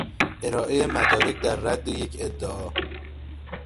ارائهی مدارک در رد یک ادعا